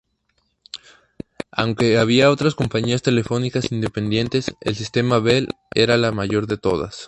Aunque había otras compañías telefónicas independientes, el Sistema Bell era la mayor de todas.